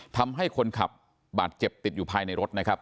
ทำให้คนขับบาดเจ็บติดอยู่ภายในรถนะครับ